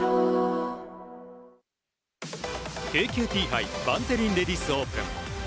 ＫＫＴ杯バンテリンレディスオープン。